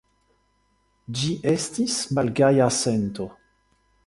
Ĝi estis malgaja sento.